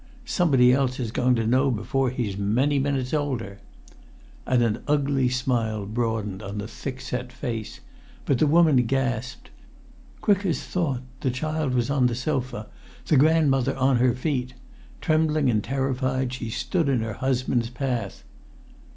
Somebody else is going to know before he's many minutes older!" And an ugly smile broadened on the thick set face; but the woman gasped. Quick as thought the child was on the sofa, the grandmother on her feet. Trembling and terrified, she stood in her husband's path.